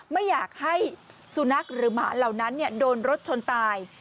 ไม่อยากให้สุนัขหรือหมาเหล่านั้นโดนรถชนตาย